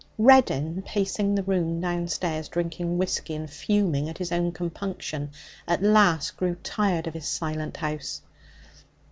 Reddin, pacing the room downstairs, drinking whisky, and fuming at his own compunction, at last grew tired of his silent house.